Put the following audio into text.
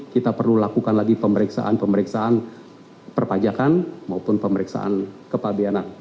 kita perlu lakukan lagi pemeriksaan pemeriksaan perpajakan maupun pemeriksaan kepabianan